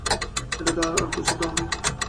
এটাতে আর কিছু দাওনি?